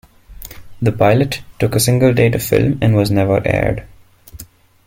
The pilot took a single day to film and was never aired.